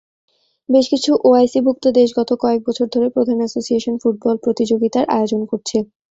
বেশকিছু ওআইসি ভুক্ত দেশ গত কয়েক বছর ধরে প্রধান অ্যাসোসিয়েশন ফুটবল প্রতিযোগিতার আয়োজন করছে।